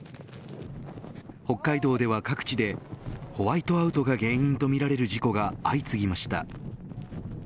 北海道では各地でホワイトアウトが原因とみられる事故が相次ぎました。